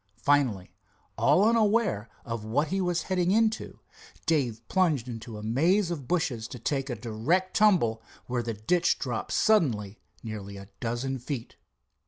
Finally, all unaware of what he was heading into, Dave plunged into a maze of bushes to take a direct tumble where the ditch dropped suddenly nearly a dozen feet.